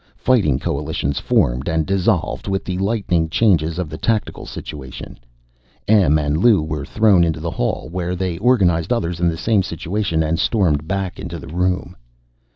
Fighting coalitions formed and dissolved with the lightning changes of the tactical situation. Em and Lou were thrown into the hall, where they organized others in the same situation, and stormed back into the room.